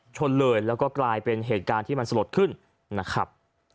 ชนเลยแล้วก็กลายเป็นเหตุการณ์ที่มันสลดขึ้นนะครับ